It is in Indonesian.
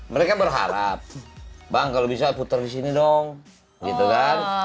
mereka berharap bang kalau bisa puter disini dong gitu kan